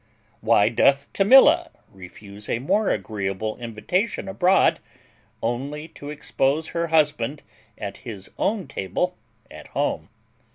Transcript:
Why doth Camilla refuse a more agreeable invitation abroad, only to expose her husband at his own table at home?